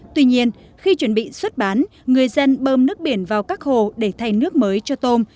tuy nhiên khi chuẩn bị xuất bán người dân bơm nước biển vào các hồ để thay nước mới cho tôm